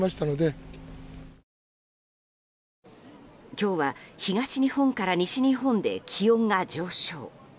今日は東日本から西日本で気温が上昇。